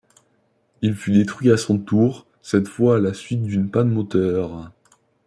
Il fut détruit à son tour, cette fois à la suite d'une panne moteur.